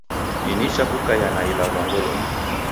Ni nicha kukaiya na ilagho ngolonyi